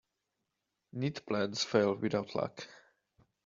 Neat plans fail without luck.